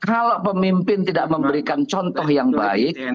kalau pemimpin tidak memberikan contoh yang baik